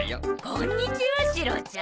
こんにちはシロちゃん。